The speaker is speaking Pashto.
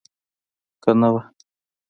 که نه وه.